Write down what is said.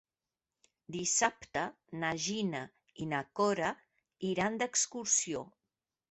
Dissabte na Gina i na Cora iran d'excursió.